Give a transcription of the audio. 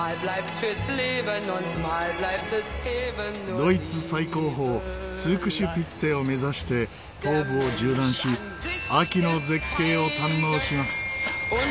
ドイツ最高峰ツークシュピッツェを目指して東部を縦断し秋の絶景を堪能します。